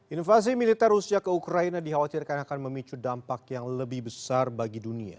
invasi militer rusia ke ukraina dikhawatirkan akan memicu dampak yang lebih besar bagi dunia